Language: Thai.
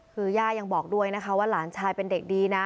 คือย่ายังบอกด้วยนะคะว่าหลานชายเป็นเด็กดีนะ